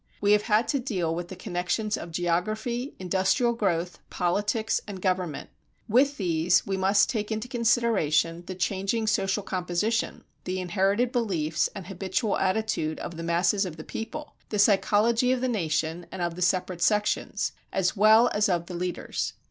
We have had to deal with the connections of geography, industrial growth, politics, and government. With these we must take into consideration the changing social composition, the inherited beliefs and habitual attitude of the masses of the people, the psychology of the nation and of the separate sections, as well as of the leaders.